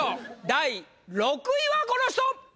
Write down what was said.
第６位はこの人！